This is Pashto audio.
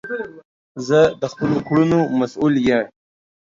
زه د خپلو کړونو مسول یی